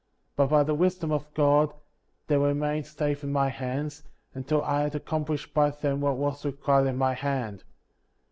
But by the Wisdom of God, they remained safe in my hands, until I had accomplished by them what was required at my hand.